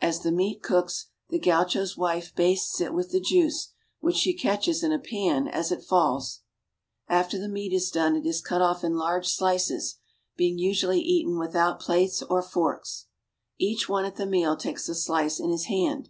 As the meat cooks, the gaucho's wife bastes it with the juice, which she catches in a pan as it falls. After the meat is done it is cut off in large slices, being LIFE ON THE PAMPAS. I8l usually eaten without plates or forks. Each one at the meal takes a slice in his hand.